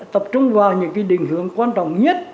tập trung vào những định hướng quan trọng nhất